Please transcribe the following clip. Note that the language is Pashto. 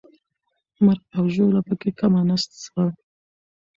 مرګ او ژوبله پکې کمه نه سوه.